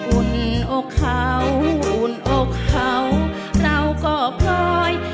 อุ่นอกเขาอุ่นอกเขาเราก็พลอย